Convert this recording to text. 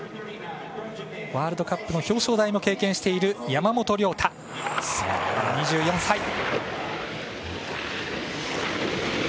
ワールドカップの表彰台も経験している山本涼太、２４歳。